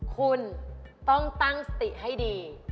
คุณต้องตั้งสติให้ดี